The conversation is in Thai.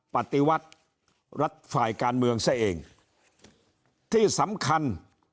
ปฏิวัติรัฐฝ่ายการเมืองซะเองที่สำคัญ